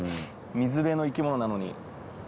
水辺の生き物なのに。